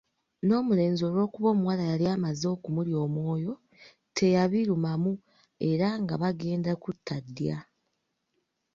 N’omulenzi olw’okuba omuwala yali amaze okumulya omwoyo teyabirumamu era nga bagenda kutta ddya.